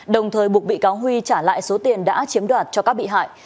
đồng thời buộc bị cáo huy trả lại số tiền đã chiếm đoạt cho các bị hại